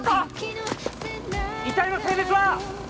遺体の性別は？